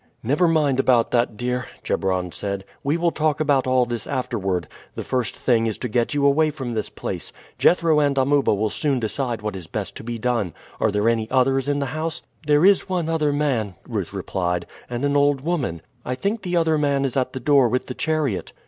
"Never mind about that, dear," Chebron said; "we will talk about all this afterward. The first thing is to get you away from this place. Jethro and Amuba will soon decide what is best to be done. Are there any others in the house?" "There is one other man," Ruth replied, "and an old woman; I think the other man is at the door with the chariot."